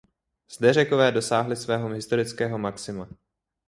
Zde Řekové dosáhli svého historického maxima.